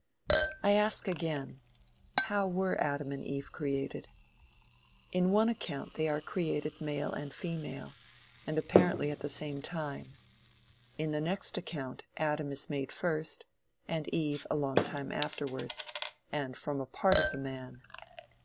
I ask again, how were Adam and Eve created? In one account they are created male and female, and apparently at the same time. In the next account, Adam is made first, and Eve a long time afterwards, and from a part of the man.